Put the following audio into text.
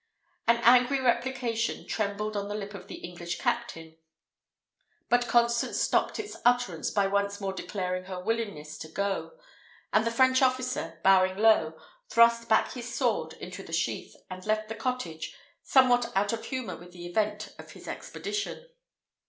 An angry replication trembled on the lip of the English captain, but Constance stopped its utterance by once more declaring her willingness to go; and the French officer, bowing low, thrust back his sword into the sheath, and left the cottage, somewhat out of humour with the event of his expedition.